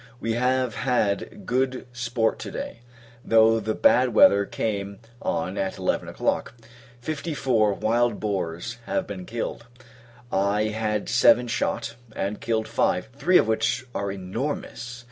We have had good sport to day, though the bad weather came on at eleven o'clock. Fifty four wild boars have been killed, I had seven shot; and killed five, three of which are enormous.